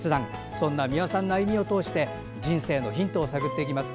そんな美輪さんの歩みを通して人生のヒントを探っていきます。